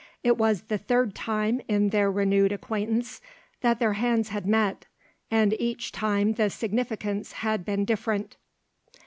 It was the third time in their renewed acquaintance that their hands had met, and each time the significance had been different.